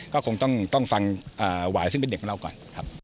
ก็คงต้องฟังหวายซึ่งเป็นเด็กของเราก่อนครับ